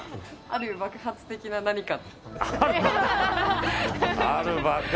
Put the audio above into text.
「ある爆発的な何か」。